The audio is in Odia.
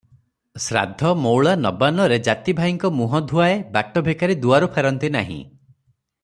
ଶ୍ରାଦ୍ଧ, ମଉଳା, ନବାନ୍ନରେ ଜାତିଭାଇଙ୍କ ମୁହଁ ଧୁଆଏ, ଭାଟ ଭିକାରୀ ଦୁଆରୁ ଫେରନ୍ତି ନାହିଁ ।